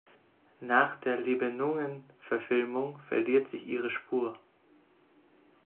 Nach der Nibeluungen-Verfilmung verliert sich ihre Spur.